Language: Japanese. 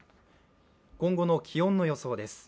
今後の気温の予想です。